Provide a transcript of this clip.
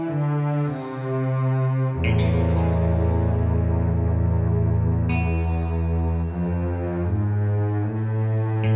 rasanya kayak beneran